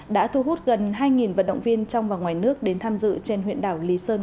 đã thu hút gần hai vận động viên trong và ngoài nước đến tham dự trên huyện đảo lý sơn